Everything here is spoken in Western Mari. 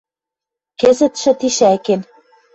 Кӹзӹтшӹ тишӓкен